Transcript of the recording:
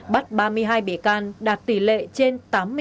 bắt ba mươi hai bị can đạt tỷ lệ trên tám mươi tám